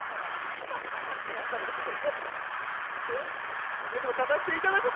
スタッフが勝手にやったんですから！